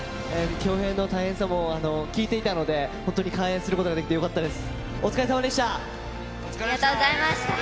恭平の大変さも聞いていたので、本当に完泳することができてよかありがとうございます。